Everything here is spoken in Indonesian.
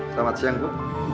selamat siang bu